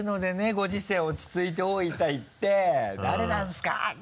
ご時世落ち着いて大分行って「誰なんですか？」